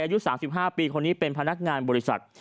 อายุ๓๕ปีคนนี้เป็นพนักงานบริษัท